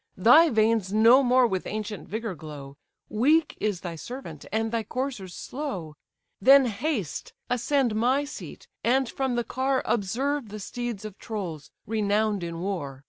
Thy veins no more with ancient vigour glow, Weak is thy servant, and thy coursers slow. Then haste, ascend my seat, and from the car Observe the steeds of Tros, renown'd in war.